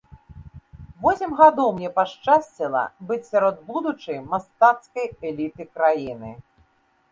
Восем гадоў мне пашчасціла быць сярод будучай мастацкай эліты краіны.